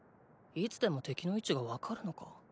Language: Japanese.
いつでも敵の位置が分かるのか？